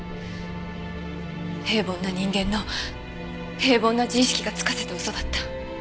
平凡な人間の平凡な自意識がつかせた嘘だった。